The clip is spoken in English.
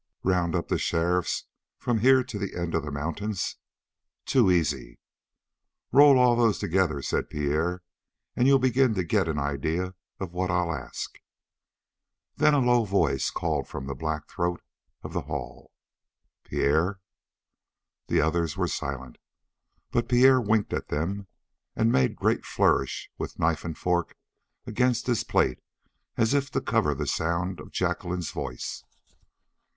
"Round up the sheriffs from here to the end of the mountains?" "Too easy." "Roll all those together," said Pierre, "and you'll begin to get an idea of what I'll ask." Then a low voice called from the black throat of the hall: "Pierre!" The others were silent, but Pierre winked at them, and made great flourish with knife and fork against his plate as if to cover the sound of Jacqueline's voice.